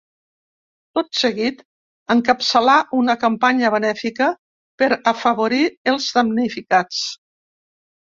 Tot seguit encapçalà una campanya benèfica per afavorir els damnificats.